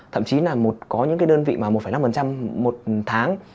thậm chí là có những cái đơn vị mà một năm một tháng